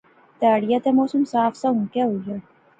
تیہاڑی تے موسم صاف سا ہُن کہہ ہویا